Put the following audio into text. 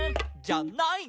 「じゃない」